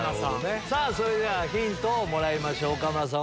それではヒントをもらいましょう岡村さん